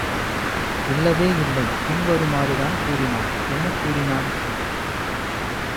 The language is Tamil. இல்லவேயில்லை பின்வருமாறு தான் கூறினான் என்ன கூறினான்?